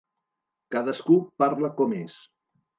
Cadascú parla com és.